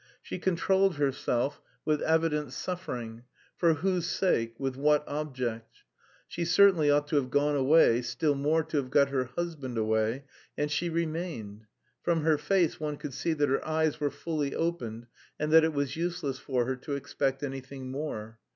She controlled herself with evident suffering for whose sake, with what object? She certainly ought to have gone away, still more to have got her husband away, and she remained! From her face one could see that her eyes were "fully opened," and that it was useless for her to expect any thing more.